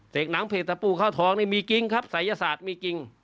เศรษฐ์หนังเผ็ดตะปูเข้าท้องนี่มีจริงครับศัยศาสตร์มีจริง